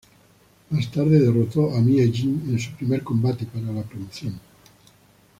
Más tarde, derrotó a Mia Yim en su primer combate para la promoción.